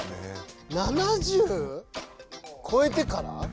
こえてから⁉